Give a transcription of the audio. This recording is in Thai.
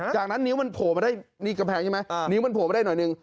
จากนั้นนิ้วมันโผล่มาได้นี่กำแพงใช่ไหมนิ้วมันโผล่มาได้หน่อยนึง